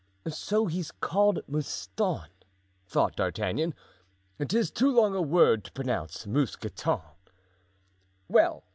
"So he's called Mouston," thought D'Artagnan; "'tis too long a word to pronounce 'Mousqueton.